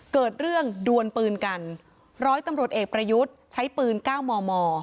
เกิดเรื่องดวนปืนกันร้อยตำรวจเอกประยุทธ์ใช้ปืนเก้ามอมอ